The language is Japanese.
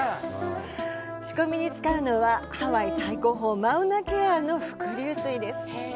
仕込みに使うのはハワイ最高峰マウナケアの伏流水です。